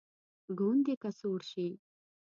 ګوندې که سوړ شي.